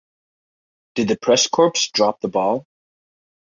Did the press corps drop the ball?